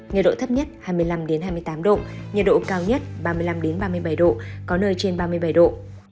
nhiệt độ thấp nhất hai mươi năm hai mươi tám độ nhiệt độ cao nhất ba mươi năm ba mươi bảy độ có nơi trên ba mươi bảy độ